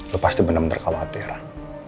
lo pasti bener bener kewakilan